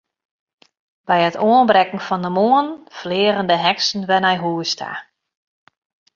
By it oanbrekken fan de moarn fleagen de heksen wer nei hús ta.